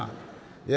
「いや。